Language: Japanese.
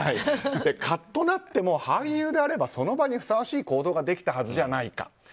カッとなっても俳優であればその場にふさわしい行動ができたはずじゃないか。